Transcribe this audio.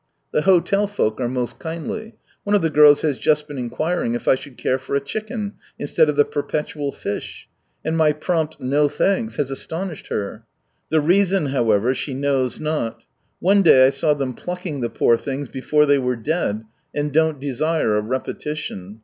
The hotel folk are most kindly ; one of the girls has just been inquiring if I should care for a chicken, instead of the perpetual fish ? and my prompt " No, thanks !" has astonished her. The reason however she knows not. One day I saw them plucking the poor things before they were dead, and don't desire a repetition.